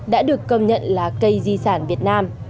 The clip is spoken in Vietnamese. đã được công nhận là cây di sản việt nam